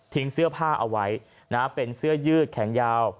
ทิ้งเสื้อผ้าเอาไว้นะเป็นเสื้อยืดแข็งยาว